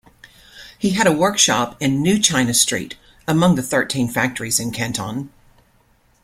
He had a workshop in 'New China Street' among the Thirteen Factories in Canton.